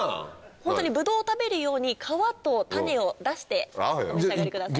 ホントにブドウを食べるように皮と種を出してお召し上がりください。